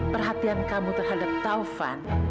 perhatian kamu terhadap taufan